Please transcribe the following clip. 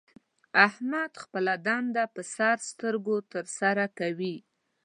احمد خپله دنده په سر سترګو تر سره کوي.